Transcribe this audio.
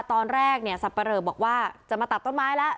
ตอนแรกสัปปะเรอบอกว่าจะมาตัดต้นไม้แล้ว